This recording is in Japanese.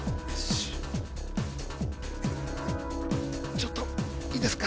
ちょっといいですか？